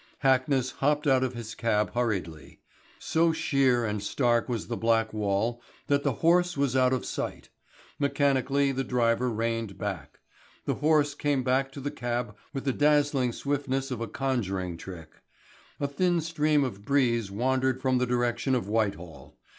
Hackness hopped out of his cab hurriedly. So sheer and stark was the black wall that the horse was out of sight. Mechanically the driver reined back. The horse came back to the cab with the dazzling swiftness of a conjuring trick. A thin stream of breeze wandered from the direction of Whitehall.